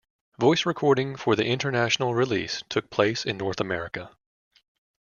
Voice recording for the international release took place in North America.